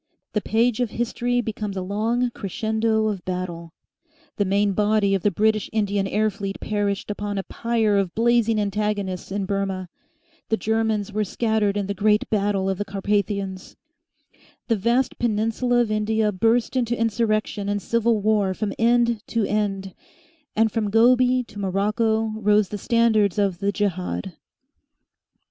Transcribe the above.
The page of history becomes a long crescendo of battle. The main body of the British Indian air fleet perished upon a pyre of blazing antagonists in Burmah; the Germans were scattered in the great battle of the Carpathians; the vast peninsula of India burst into insurrection and civil war from end to end, and from Gobi to Morocco rose the standards of the "Jehad."